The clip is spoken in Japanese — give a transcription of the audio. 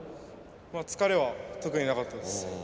疲れは特になかったです。